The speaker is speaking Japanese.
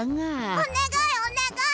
おねがいおねがい！